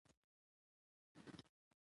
لومړۍ پنځه ګڼې وړیا ترلاسه کیدی شي.